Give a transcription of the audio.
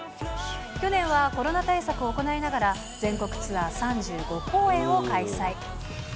去年はコロナ対策を行いながら、全国ツアー３５公演を開催。